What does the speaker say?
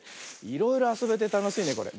いろいろあそべてたのしいねこれ。